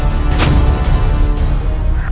aku akan membunuhmu